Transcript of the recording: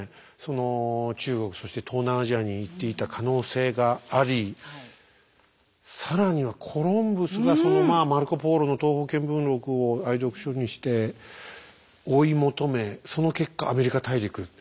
その中国そして東南アジアに行っていた可能性があり更にはコロンブスがそのまあマルコ・ポーロの「東方見聞録」を愛読書にして追い求めその結果アメリカ大陸。